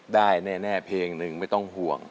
ได้แน่เพลงหนึ่งไม่ต้องห่วง